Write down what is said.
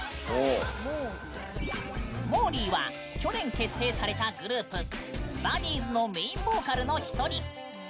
もーりーは去年、結成されたグループＢＵＤＤｉｉＳのメインボーカルの一人。